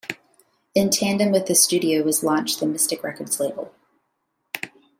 In tandem with the studio was launched the Mystic Records label.